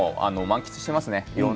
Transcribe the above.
満喫していますね。